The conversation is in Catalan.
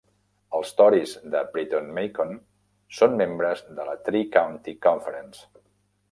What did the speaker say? Els "tories" de Britton-Macon són membres de la Tri-County Conference.